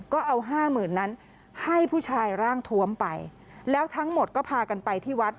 ก็เอาห้าหมื่นนั้นให้ผู้ชายร่างทวมไปแล้วทั้งหมดก็พากันไปที่วัด